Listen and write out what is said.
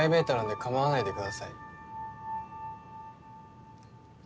かまわないでください